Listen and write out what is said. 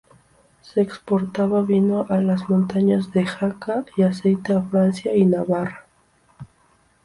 Se exportaba vino a las montañas de Jaca y aceite a Francia y Navarra.